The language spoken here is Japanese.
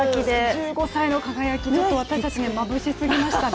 １５歳の輝き、私たちにはまぶしすぎましたね。